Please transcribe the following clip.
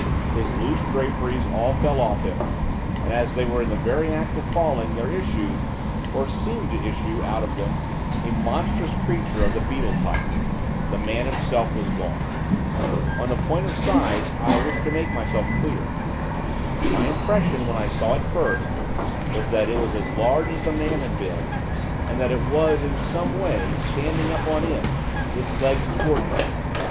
His loose draperies all fell off him, and, as they were in the very act of falling, there issued, or there seemed to issue out of them, a monstrous creature of the beetle tribe, the man himself was gone. On the point of size I wish to make myself clear. My impression, when I saw it first, was that it was as large as the man had been, and that it was, in some way, standing up on end, the legs towards me.